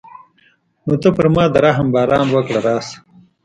نو ته پر ما د رحم باران وکړه راشه.